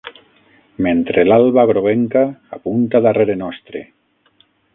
Mentre l'alba groguenca apunta darrere nostre